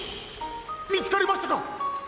みつかりましたか！？